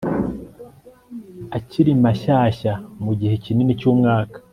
akiri mashyashya mu gihe kinini cyumwaka